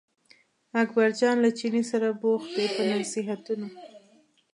اکبرجان له چیني سره بوخت دی په نصیحتونو.